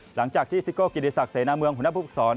หลังจากที่ซิโก้กิริสักเสนามวงหุณพุทธศร